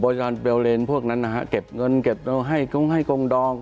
บริยาณเบลเลนท์พวกนั้นนะฮะเก็บเงินเก็บต้องให้ก็งให้กรงดอง